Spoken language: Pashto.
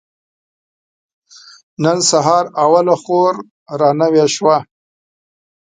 نن سهار اوله خور را نوې شوه.